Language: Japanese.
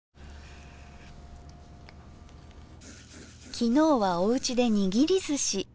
昨日はおうちでにぎりずし。